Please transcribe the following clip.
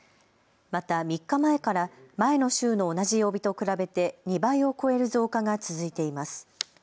また３日前から前の週の同じ曜日と比べて２倍を超える増加が続いています。